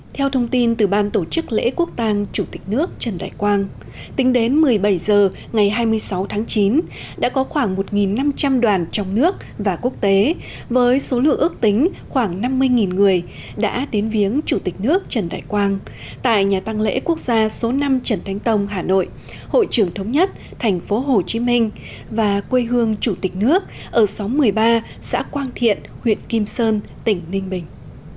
theo thông tin từ ban tổ chức lễ quốc tăng chủ tịch nước trần đại quang tính đến một mươi bảy h ngày hai mươi sáu tháng chín đã có khoảng một năm trăm linh đoàn trong nước và quốc tế với số lượng ước tính khoảng năm mươi người đã đến viếng chủ tịch nước trần đại quang tại nhà tăng lễ quốc gia số năm trần thánh tông hà nội hội trưởng thống nhất thành phố hồ chí minh và quê hương chủ tịch nước ở số một mươi ba xã quang thiện huyện kim sơn tỉnh ninh bình